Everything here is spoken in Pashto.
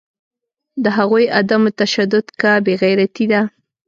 د هغوی عدم تشدد که بیغیرتي ده